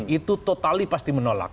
itu totali pasti menolak